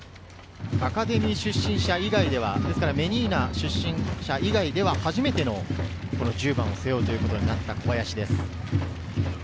アカデミー出身者以外では、メニーナ出身者以外では初めての１０番を背負うことになった小林です。